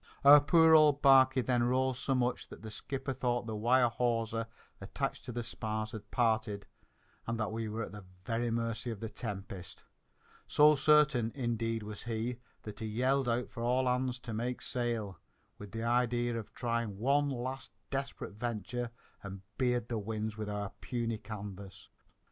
Our poor old barquey then rolled so much that the skipper thought the wire hawser attached to the spars had parted and that we were at the very mercy of the tempest. So certain, indeed, was he, that he yelled out for all hands to make sail, with the idea of trying one last desperate venture and beard the winds with our puny canvas.